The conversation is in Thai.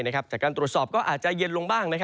จากการตรวจสอบก็อาจจะเย็นลงบ้าง